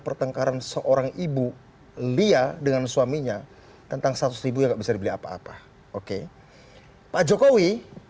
pertengkaran seorang ibu lia dengan suaminya tentang seratus ribu yang bisa dibeli apa apa oke pak jokowi